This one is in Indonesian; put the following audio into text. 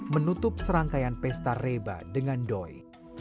menutup serangkaian pesta reba dengan doi